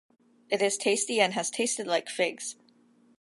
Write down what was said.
It is tasty and has tasted like figs.